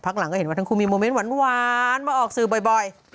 พักหลังก็เห็นว่าทั้งคู่มีวันหวานมาออกสื่อบ่อยบ่อย